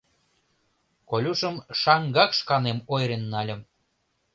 — Колюшым шаҥгак шканем ойырен нальым.